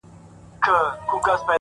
موږه ستا د سترگو له پردو سره راوتي يو.!